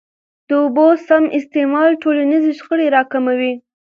د اوبو سم استعمال ټولنیزي شخړي را کموي.